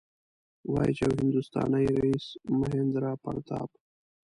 وايي چې یو هندوستانی رئیس مهیندراپراتاپ.